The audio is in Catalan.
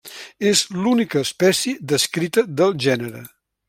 És l'única espècie descrita del gènere.